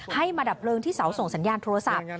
ให้มาดับเพลิงที่เสาส่งสัญญาณโทรศัพท์